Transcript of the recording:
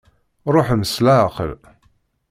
Ṛuḥem s leɛqel.